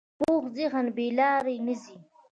پوخ ذهن بې لارې نه ځي